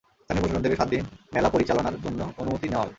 স্থানীয় প্রশাসন থেকে সাত দিন মেলা পরিচালানার জন্য অনুমতি নেওয়া হয়।